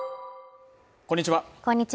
こんにちは。